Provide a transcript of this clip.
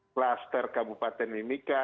klaster kabupaten limika